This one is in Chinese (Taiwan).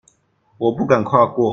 我不敢跨過